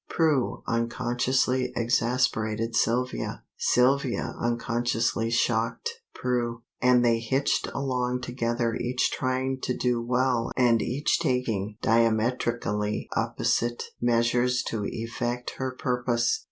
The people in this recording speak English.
Prue unconsciously exasperated Sylvia, Sylvia unconsciously shocked Prue, and they hitched along together each trying to do well and each taking diametrically opposite measures to effect her purpose.